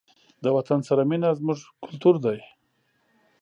د وطن سره مینه زموږ کلتور دی.